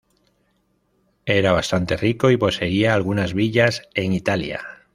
Era bastante rico y poseía algunas villas en Italia.